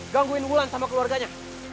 gangguin wulan sama keluarganya